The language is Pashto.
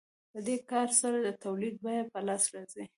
په دې کار سره د تولید بیه په لاس راځي